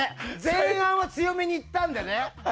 前半は強めにいったのでね。